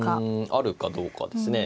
あるかどうかですね。